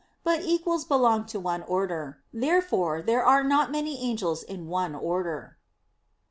But equals belong to one order. Therefore there are not many angels in one order.